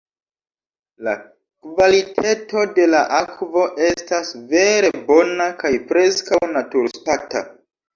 La kvaliteto de la akvo estas vere bona kaj preskaŭ naturstata.